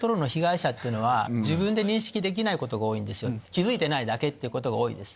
気付いてないだけっていうことが多いです。